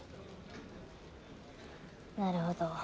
なるほど。